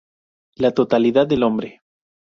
La totalidad del hombre.